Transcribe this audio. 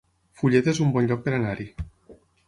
Fulleda es un bon lloc per anar-hi